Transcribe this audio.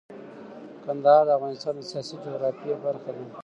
کندهار د افغانستان د سیاسي جغرافیه برخه ده.